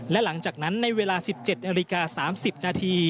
และหลังจากนั้นในเวลา๑๗นนะ